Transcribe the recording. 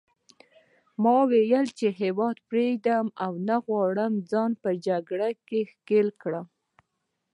ما وویل چې هیواد پرېږدم او نه غواړم ځان په جګړه کې ښکېل کړم.